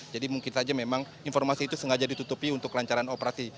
jadi mungkin saja memang informasi itu sengaja ditutupi untuk kelancaran operasi